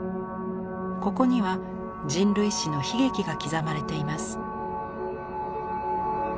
ここには人類史の悲劇が刻まれています。